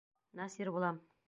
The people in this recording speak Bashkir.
Насир булам.